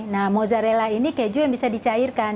nah mozzarella ini keju yang bisa dicairkan